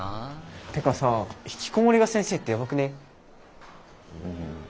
ってかさひきこもりが先生ってやばくねえ？